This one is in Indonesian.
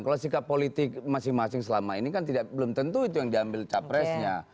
kalau sikap politik masing masing selama ini kan belum tentu itu yang diambil capresnya